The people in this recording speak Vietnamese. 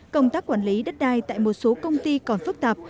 công tác quản lý đất đai tại một số công ty còn phức tạp